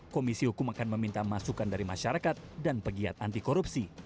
komisi hukum akan meminta masukan dari masyarakat dan pegiat anti korupsi